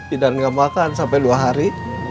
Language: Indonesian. idan gak makan sampai dua hari